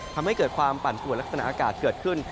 ทำให้เกิดความปั่นปวดลักษณะอากาศเกิดขึ้น